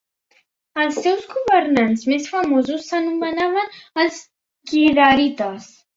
Els seus governants més famosos s'anomenaven els Kidarites.